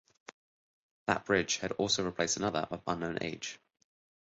That bridge had also replaced another of unknown age.